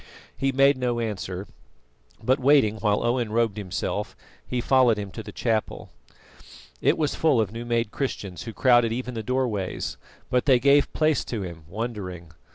He made no answer, but waiting while Owen robed himself, he followed him to the chapel. It was full of new made Christians who crowded even the doorways, but they gave place to him, wondering.